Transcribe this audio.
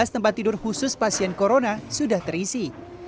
tiga belas tempat tidur khusus pasien corona sudah terisi